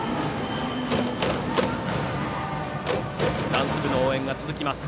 ダンス部の応援が続きます。